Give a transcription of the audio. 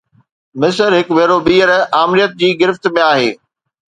مصر هڪ ڀيرو ٻيهر آمريت جي گرفت ۾ آهي.